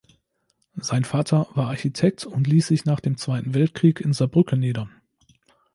Sein Vater war Architekt und ließ sich nach dem Zweiten Weltkrieg in Saarbrücken nieder.